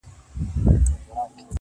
ستا هره گيله مي لا په ياد کي ده”